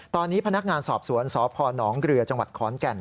ตอนนี้พนักงานสอบสวนสพนเรือจังหวัดขอนแก่น